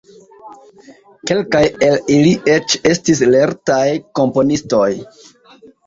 Kelkaj el ili eĉ estis lertaj komponistoj.